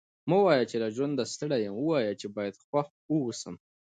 مه وايه! چي له ژونده ستړی یم؛ ووايه چي باید خوښ واوسم.